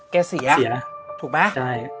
แกเสียถูกไหมใช่